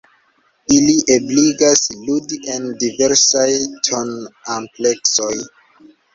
Ili ebligas ludi en diversaj ton-ampleksoj.